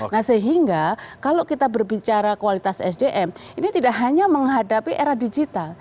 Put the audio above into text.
nah sehingga kalau kita berbicara kualitas sdm ini tidak hanya menghadapi era digital